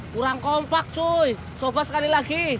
kurang kompak cui coba sekali lagi